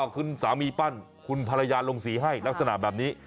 คุณสามีปั้นคุณภรรยาลงสีให้ลักษณะแบบนี้